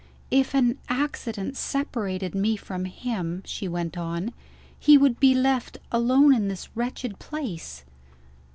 "If an accident separated me from him," she went on, "he would be left alone in this wretched place."